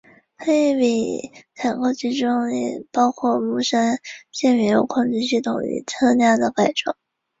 同一笔采购案中也包含了木栅线原有控制系统与车辆的改装。